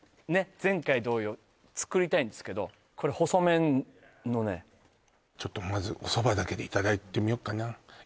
前回同様作りたいんですけどこれ細麺のねちょっとまずお蕎麦だけでいただいてみよっかな